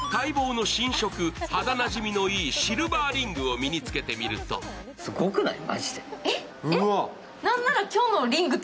待望の新色、肌なじみのいいシルバーリングをつけてみるとすごくない？